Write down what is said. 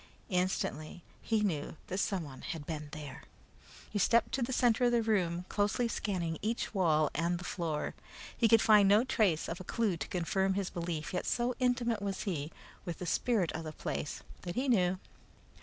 Instantly he knew that someone had been there. He stepped to the center of the room, closely scanning each wall and the floor. He could find no trace of a clue to confirm his belief, yet so intimate was he with the spirit of the place that he knew.